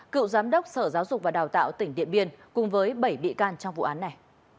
cựu giám đốc sở giáo dục và đào tạo tỉnh điện biên cùng với bảy bị can trong vụ án này